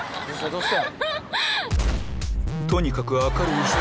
どうした？